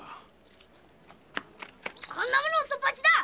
こんなもの嘘っぱちだ！